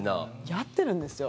やってるんですよ。